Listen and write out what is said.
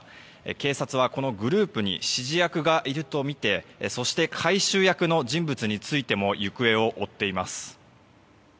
警察はグループに指示役がいるとみてそして、回収役の人物についても行方を追っています。